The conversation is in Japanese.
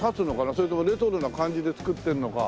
それともレトロな感じで造ってるのか。